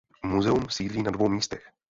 Muzeum sídlí na dvou místech.